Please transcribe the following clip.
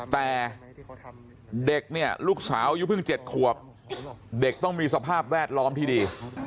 แต่เด็กเนี่ยลูกสาวอายุเพิ่ง๗ขวบเด็กต้องมีสภาพแวดล้อมที่ดี